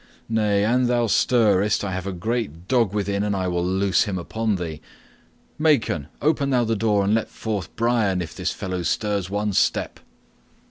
Nay, an thou stirrest, I have a great dog within and I will loose him upon thee. Maken, open thou the door and let forth Brian if this fellow stirs one step."